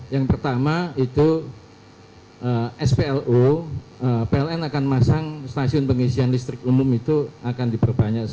yang pertama itu splo pln akan masang stasiun pengisian listrik umum itu akan diperbanyak